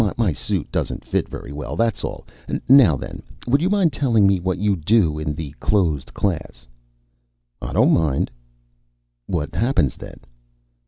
My suit doesn't fit very well, that's all. Now then. Would you mind telling me what you do in the closed class?" "I don't mind." "What happens, then?"